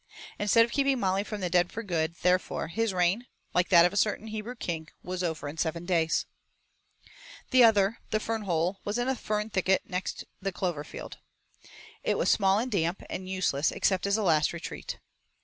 Instead of keeping Molly from the den for good, therefore, his reign, like that of a certain Hebrew king, was over in seven days. The other, the fern hole, was in a fern thicket next the clover field. It was small and damp, and useless except as a last retreat.